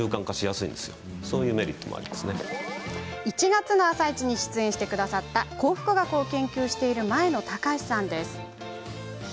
１月の「あさイチ」に出演してくれた幸福学を研究している前野隆司さん。